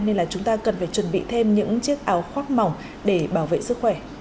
nên là chúng ta cần phải chuẩn bị thêm những chiếc áo khoác mỏng để bảo vệ sức khỏe